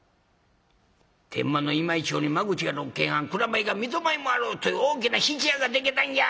『天満の今井町に間口が６間半蔵米が三戸前もあろうという大きな質屋がでけたんや』。